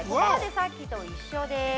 さっきと一緒です。